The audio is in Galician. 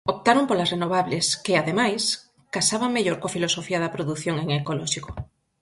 Optaron polas renovables, que, ademais, casaban mellor coa filosofía da produción en ecolóxico.